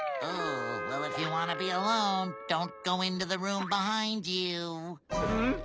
うん？